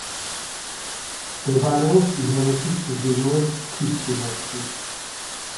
მდებარეობს იმერეთის ჩრდილოეთ მთისწინეთში.